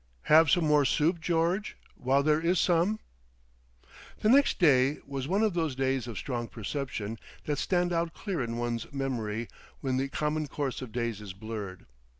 Have some more soup George—while there is some?..." The next day was one of those days of strong perception that stand out clear in one's memory when the common course of days is blurred.